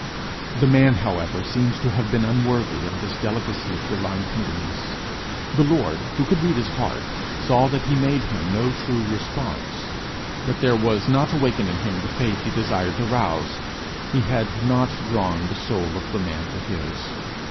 The man, however, seems to have been unworthy of this delicacy of divine tenderness. The Lord, who could read his heart, saw that he made him no true response that there was not awaked in him the faith he desired to rouse: he had not drawn the soul of the man to his.